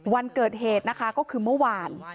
วันเกิดเหตุนะคะก็คือเมื่อวาน